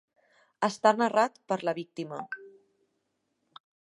Està narrat per la víctima.